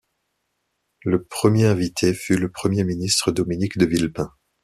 Le premier invité fut le Premier ministre Dominique de Villepin.